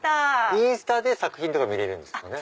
インスタで作品見れるんですね。